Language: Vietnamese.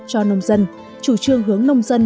cho nông dân chủ trương hướng nông dân